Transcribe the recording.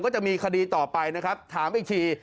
ก็จะมีคดีต่อไปนะครับถามอีกที